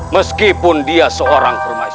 meskipun dia seorang perbuatan